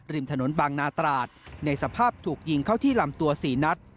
ริมถนนบางนาตราดในสภาพถูกยิงเข้าที่ลำตัว๔นัด